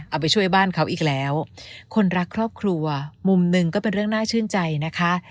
เอาไปช่วยบ้านเขาอีกแล้วคนรักครอบครัวมุมหนึ่งก็เป็นเรื่องน่าชื่นใจนะคะ